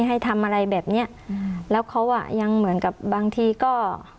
ให้ทำอะไรแบบเนี้ยอืมแล้วเขาอ่ะยังเหมือนกับบางทีก็